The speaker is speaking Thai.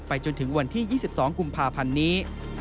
จนถึงวันที่๒๒กุมภาพันธ์นี้